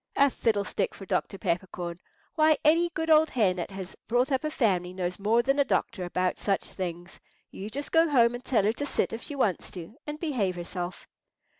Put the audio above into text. A fiddlestick for Dr. Peppercorn! Why, any good old hen that has brought up a family knows more than a doctor about such things. You just go home and tell her to sit if she wants to, and behave herself."